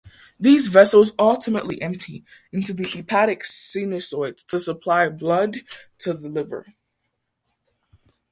These vessels ultimately empty into the hepatic sinusoids to supply blood to the liver.